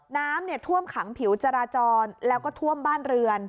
น้ำท่วมขังผิวจราจรแล้วก็ท่วมบ้านเรือน